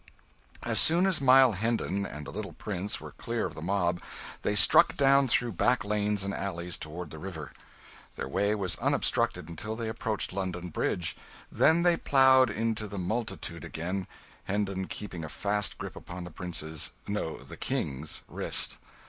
As soon as Miles Hendon and the little prince were clear of the mob, they struck down through back lanes and alleys toward the river. Their way was unobstructed until they approached London Bridge; then they ploughed into the multitude again, Hendon keeping a fast grip upon the Prince's no, the King's wrist.